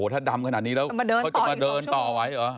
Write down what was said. ถ้าดำขนาดนี้แล้วเขาจะมาเดินต่อไว้เหรอ